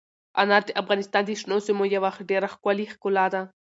انار د افغانستان د شنو سیمو یوه ډېره ښکلې ښکلا ده.